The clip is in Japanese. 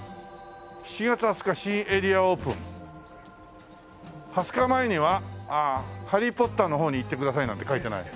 「７月２０日新エリアオープン」２０日前にはハリー・ポッターの方に行ってくださいなんて書いてない。